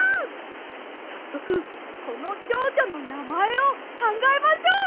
さっそくこのチョウチョのなまえをかんがえましょう！